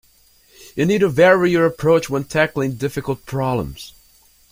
You need to vary your approach when tackling difficult problems.